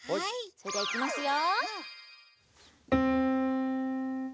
それではいきますよ！